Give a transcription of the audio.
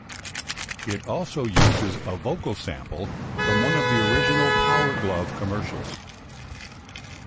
It also uses a vocal sample from one of the original Power Glove commercials.